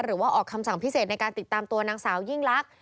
ออกคำสั่งพิเศษในการติดตามตัวนางสาวยิ่งลักษณ